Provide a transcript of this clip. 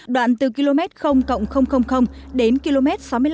đoạn từ km đến km sáu mươi năm